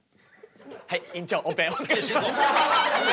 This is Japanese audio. はい院長オペお願いします。